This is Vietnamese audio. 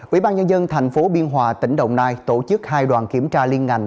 ủy ban nhân dân thành phố biên hòa tỉnh đồng nai tổ chức hai đoàn kiểm tra liên ngành